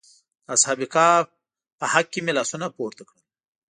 د اصحاب کهف په حق کې مې لاسونه پورته کړل.